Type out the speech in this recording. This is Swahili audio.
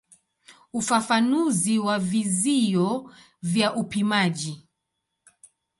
Ufafanuzi wa vizio vya upimaji.